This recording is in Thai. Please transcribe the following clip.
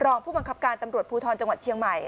รองผู้บังคับการตำรวจภูทรจังหวัดเชียงใหม่